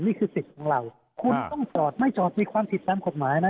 สิทธิ์ของเราคุณต้องจอดไม่จอดมีความผิดตามกฎหมายนะ